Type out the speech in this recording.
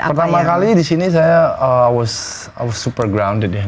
pertama kali disini saya i was super grounded ya